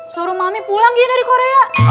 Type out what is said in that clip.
suruh mami pulang ya dari korea